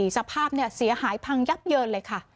สภาพเสียหายพังยับเยินเลยค่ะ